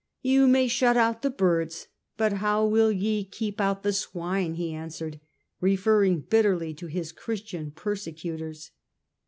" You may shut out the birds, but how will ye keep out the swine ?" he answered, referring bitterly to his Christian persecutors.